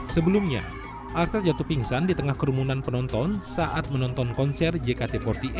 sebelumnya alsat jatuh pingsan di tengah kerumunan penonton saat menonton konser jkt empat puluh delapan